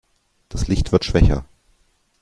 Das Licht wird schwächer.